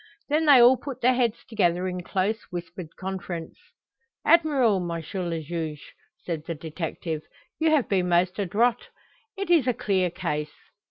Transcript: Then they all put their heads together in close, whispered conference. "Admirable, M. le Juge!" said the detective. "You have been most adroit. It is a clear case."